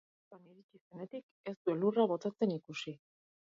Azaroan iritsi zenetik, ez du elurra botatzen ikusi.